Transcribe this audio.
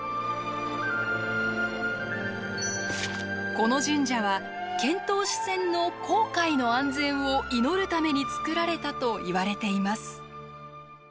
この神社は遣唐使船の航海の安全を祈るために造られたといわれています。